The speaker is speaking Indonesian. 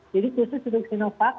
jadi khusus untuk sinovac